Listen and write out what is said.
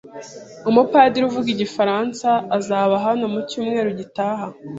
Umupadiri uvuga igifaransa azaba hano mu cyumweru gitaha.